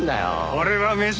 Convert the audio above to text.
俺は飯だ。